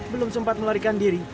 belum sempat melarikan diri